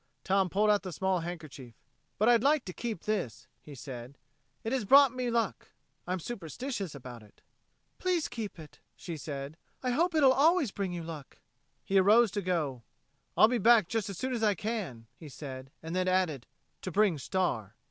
Tom pulled out the small handkerchief. "But I'd like to keep this," he said. "It has brought me luck. I'm superstitious about it." "Please keep it," she said. "I hope it'll always bring you luck." He arose to go. "I'll be back just as soon as I can," he said, then he added: "to bring Star."